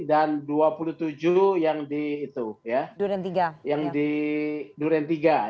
dan dua puluh tujuh yang di duren tiga